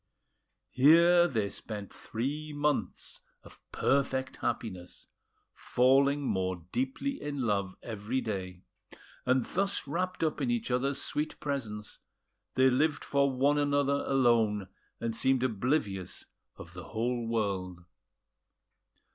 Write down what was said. Here they spent three months of perfect happiness, falling more deeply in love every day; and thus wrapped up in each other's sweet presence, they lived for one another alone, and seemed oblivious of the whole world.